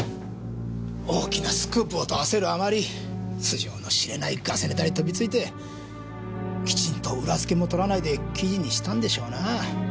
大きなスクープをと焦るあまり素性の知れないガセネタに飛びついてきちんと裏付けも取らないで記事にしたんでしょうなぁ。